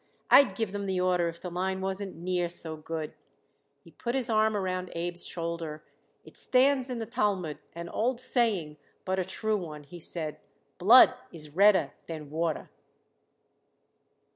I'd give them the order if the line wasn't near so good." He put his arm around Abe's shoulder. "It stands in the Talmud, an old saying, but a true one," he said "'Blood is redder than water.'"